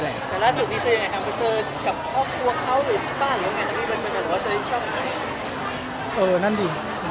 เออนั่นดิ